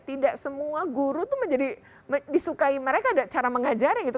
tidak semua guru itu menjadi disukai mereka ada cara mengajarnya gitu